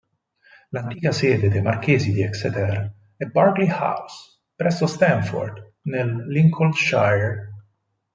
L'antica sede dei marchesi di Exeter è Burghley House, presso Stamford, nel Lincolnshire.